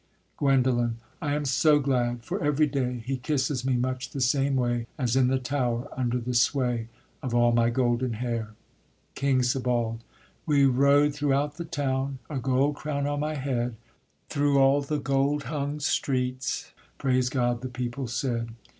_ GUENDOLEN. I am so glad, for every day He kisses me much the same way As in the tower: under the sway Of all my golden hair. KING SEBALD. We rode throughout the town, A gold crown on my head; Through all the gold hung streets, Praise God! the people said.